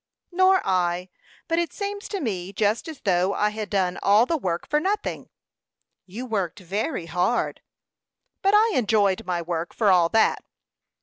"Nor I; but it seems to me just as though I had done all the work for nothing." "You worked very hard." "But I enjoyed my work, for all that."